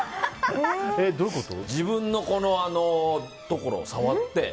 自分のところを触って。